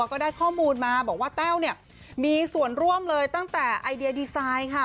ก็ได้ข้อมูลมาบอกว่าแต้วเนี่ยมีส่วนร่วมเลยตั้งแต่ไอเดียดีไซน์ค่ะ